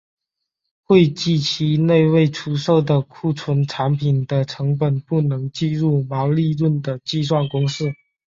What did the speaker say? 会计期内未售出的库存产品的成本不能计入毛利润的计算公式。